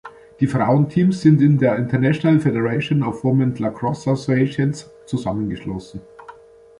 Die Frauen-Teams sind in der International Federation of Women’s Lacrosse Associations zusammengeschlossen.